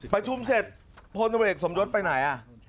ประชุมเสร็จพลตำรวจเอกสมยศไปไหน